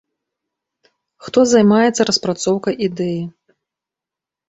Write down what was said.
Хто займаецца распрацоўкай ідэі?